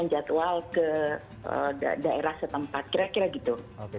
jadi silakan menjatuhkan ke daerah setempat kira kira gitu